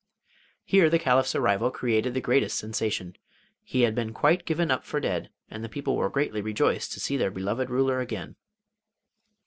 Here the Caliph's arrival created the greatest sensation. He had been quite given up for dead, and the people were greatly rejoiced to see their beloved ruler again.